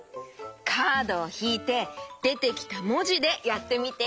カードをひいてでてきたもじでやってみて。